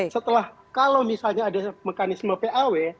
setelah kalau misalnya ada mekanisme paw